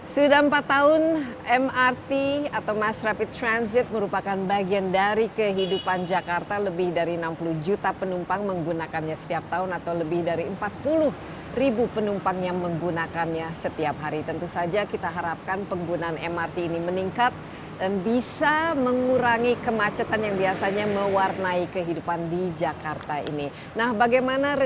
salah satu caranya adalah dengan membangun kawasan tod atau transit oriented development yang memudahkan dan membuat nyaman masyarakat pengguna transportasi masal